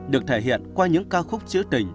được thể hiện qua những ca khúc chữ tình